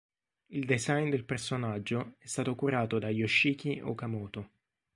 Il design del personaggio è stato curato da Yoshiki Okamoto.